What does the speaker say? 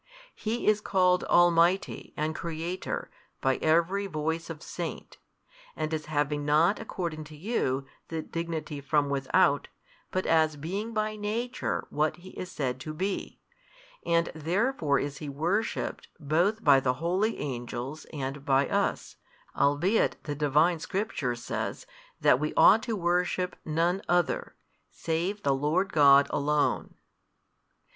He is called Almighty and Creator by every voice of saint, and as having not according to you the Dignity from without, but as being by Nature what He is said to be, and therefore is He worshipped both by the holy Angels and by us, albeit the Divine Scripture says that we ought to worship none other, save the Lord God Alone.